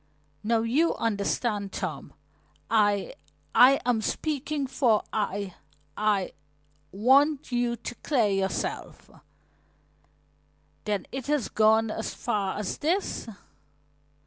"Now you understand, Tom. I I am speaking for I I want you to clear yourself." "Then it has gone as far as this?"